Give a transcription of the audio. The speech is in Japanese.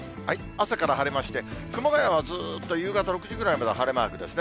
朝から晴れまして、熊谷はずーっと夕方６時ぐらいまでは晴れマークですね。